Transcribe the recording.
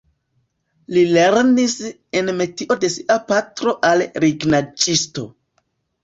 Li lernis en metio de sia patro al lignaĵisto.